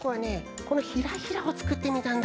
このヒラヒラをつくってみたんだ。